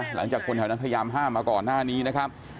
หลังจากคนแถวนั้นพยายามห้ามมาก่อนหน้านี้นะครับ